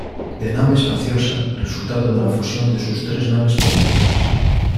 De nave espaciosa, resultado de la fusión de sus tres naves primitivas.